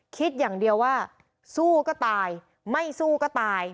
คิดอย่างเดียวว่าสู้ก็ตายไม่สู้ก็ตาย